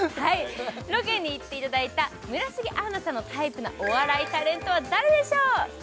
ロケに行っていただいた村重杏奈さんのタイプなお笑いタレントは誰でしょう？